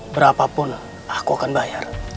berapapun aku akan bayar